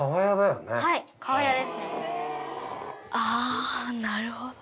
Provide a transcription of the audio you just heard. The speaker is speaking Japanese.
ああーなるほど。